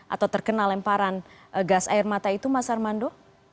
atau terkena lemparan gas air mata itu mas armando